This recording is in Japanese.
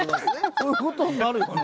そういう事になるよな。